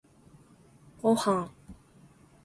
ごはん